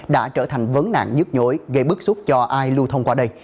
đã trở thành vấn nạn nhức nhối gây bức xúc cho ai lưu thông qua đây